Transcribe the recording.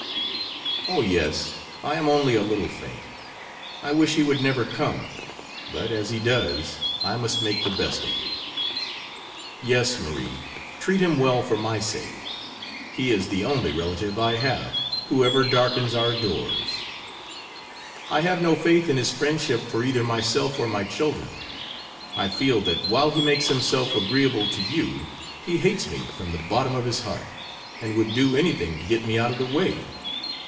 "Oh, yes; I am only a little faint. I wish he would never come. But, as he does, I must make the best of it." "Yes, Marie, treat him well for my sake. He is the only relative I have who ever darkens our doors." "I have no faith in his friendship for either myself or my children. I feel that while he makes himself agreeable to you he hates me from the bottom of his heart, and would do anything to get me out of the way.